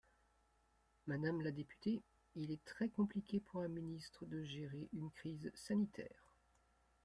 Madame la députée, il est très compliqué pour un ministre de gérer une crise sanitaire.